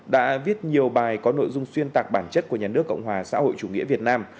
đã viết nhiều bài có nội dung xuyên tạc bản chất của nhà nước cộng hòa xã hội chủ nghĩa việt nam